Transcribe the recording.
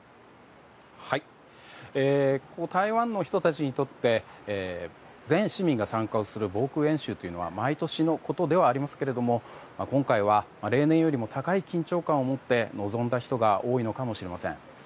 台湾の人たちにとって全市民が参加する防空演習というのは毎年のことではありますけれども今回は例年よりも高い緊張感を持って臨んだ人が多いのかもしれません。